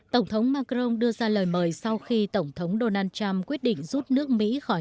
tổng thống macron đưa ra lời mời sau khi tổng thống donald trump quyết định rút nước mỹ khỏi